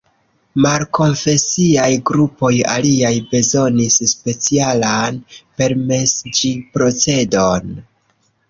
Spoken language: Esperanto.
Malkonfesiaj grupoj aliaj bezonis specialan permesiĝprocedon.